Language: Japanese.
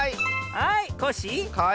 はいコッシー。